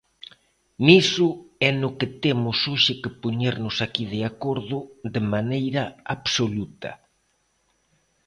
Niso é no que temos hoxe que poñernos aquí de acordo de maneira absoluta.